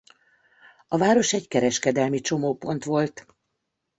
A város egy kereskedelmi csomópont volt.